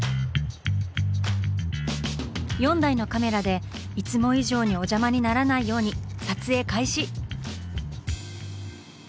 ４台のカメラでいつも以上にお邪魔にならないように撮影開始！